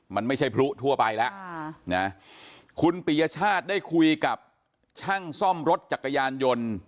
มันไม่ใช่พลุทั่วไปแล้วคุณปียชาติได้คุยกับช่างซ่อมรถจักรยานยนต์